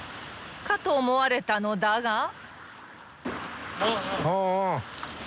［かと思われたのだが］